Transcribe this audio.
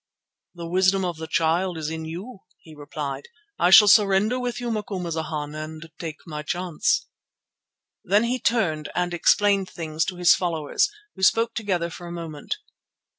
"The wisdom of the Child is in you," he replied. "I shall surrender with you, Macumazana, and take my chance." Then he turned and explained things to his followers, who spoke together for a moment.